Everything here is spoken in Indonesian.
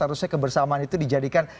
harusnya kebersamaan itu dijadikan